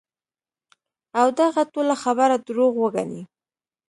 او دغه ټوله خبره دروغ وګڼی -